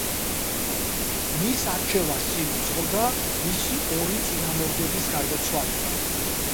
მის არჩევას წინ უძღოდა მისი ორი წინამორბედის გარდაცვალება.